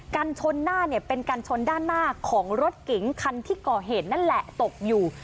กันชนหน้าเนี่ยเป็นกันชนด้านหน้าของรถเก๋งคันที่ก่อเหตุนั่นแหละตกอยู่